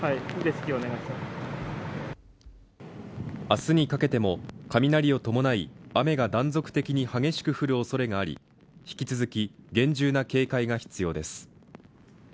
明日にかけても雷を伴い雨が断続的に激しく降るおそれがあり、引き続き厳重な警戒が必要です。